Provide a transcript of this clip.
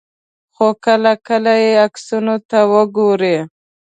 خو کله کله یې عکسونو ته وګورئ.